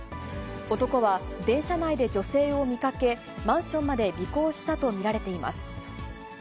男は電車内で女性を見かけ、マンションまで尾行したと見られています。